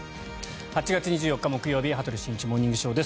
８月２４日、木曜日「羽鳥慎一モーニングショー」。